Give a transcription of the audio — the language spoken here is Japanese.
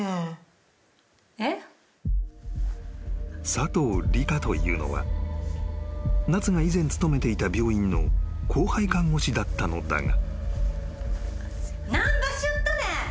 ［佐藤里香というのは奈津が以前勤めていた病院の後輩看護師だったのだが］